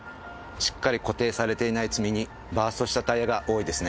しっかり固定されていない積み荷バーストしたタイヤが多いですね。